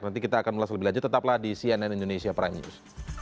nanti kita akan ulas lebih lanjut tetaplah di cnn indonesia prime news